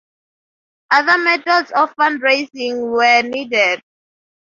Other methods of fundraising were needed.